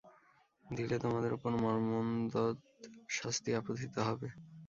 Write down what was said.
দিলে তোমাদের উপর মর্মন্তুদ শাস্তি আপতিত হবে।